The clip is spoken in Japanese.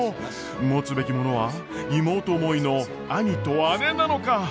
持つべきものは妹思いの兄と姉なのか？